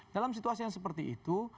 dalam situasi yang seperti itu